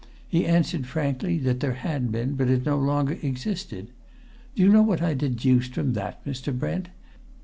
He answered frankly that there had been but it no longer existed! Do you know what I deduced from that, Mr. Brent?